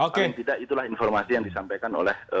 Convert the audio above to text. alhamdulillah itulah informasi yang disampaikan oleh